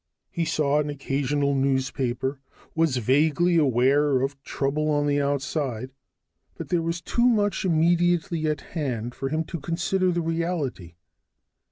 He saw an occasional newspaper, was vaguely aware of trouble on the outside, but there was too much immediately at hand for him to consider the reality.